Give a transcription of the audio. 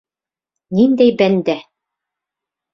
— Ниндәй бәндә?